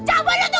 caw benut tuh